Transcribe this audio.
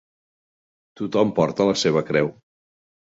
Tothom porta la seva creu.